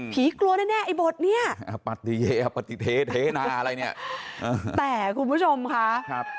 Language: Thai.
ผีกลัวแน่ไอบทนี่แต่คุณผู้ชมคะ